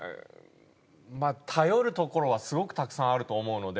まあ頼るところはすごくたくさんあると思うので。